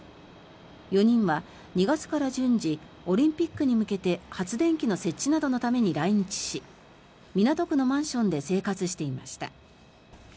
４人は２月から順次オリンピックに向けて発電機の設置などのために来日し港区のマンションで生活していました。